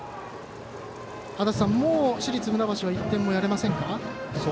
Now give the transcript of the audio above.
もう、市立船橋は１点もやれませんか？